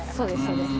そうです